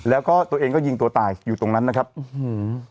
แล้วก็ตัวเองก็ยิงตัวตายอยู่ตรงนั้นนะครับอื้อหือ